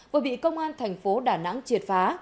vừa bị công an thành phố đà nẵng triệt phá